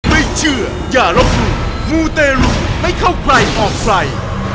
ไม่เชื่ออย่าลบหลู่มูเตรุไม่เข้าใครออกใคร